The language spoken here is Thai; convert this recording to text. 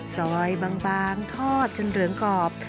ซอยบางทอดจนเหลืองกรอบ